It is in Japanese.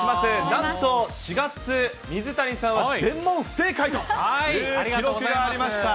なんと４月、水谷さんは全問不正解という記録がありました。